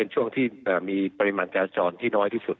ช่วงไหนมีปริมาณจรจ่อนที่น้อยที่สุด